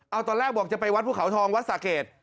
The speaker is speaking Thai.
เอาตอนแรกบอกจะไปวัดภูเขาทองวัดสะเกด